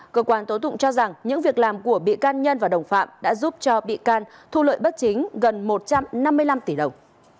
cơ quan tố tụng cho rằng những việc làm của bị can nhân và đồng phạm đã giúp cho bị can thu lợi bất chính gần một trăm năm mươi năm tỷ đồng